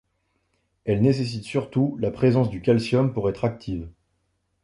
Elles nécessitent surtout la présence du calcium pour être actives.